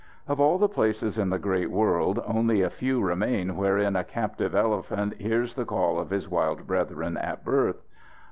Of all the places in the great world, only a few remain wherein a captive elephant hears the call of his wild brethren at birth.